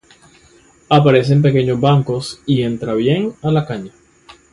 Aparece en pequeños bancos y entra bien a la caña.